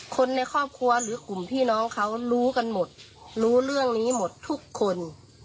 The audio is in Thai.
คนในครอบครัวหรือกลุ่มพี่น้องเขารู้กันหมดรู้เรื่องนี้หมดทุกคน